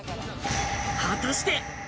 果たして。